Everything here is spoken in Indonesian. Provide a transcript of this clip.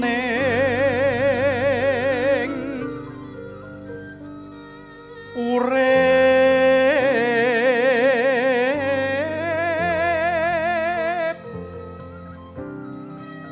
delsalam urus jika faustus juga muda